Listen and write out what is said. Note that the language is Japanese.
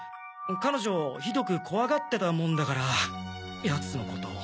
彼女ひどく怖がってたもんだから奴のこと。